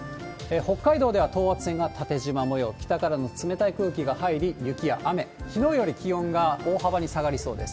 北海道では等圧線が縦じま模様、北からの冷たい空気が入り、雪や雨、きのうより気温が大幅に下がりそうです。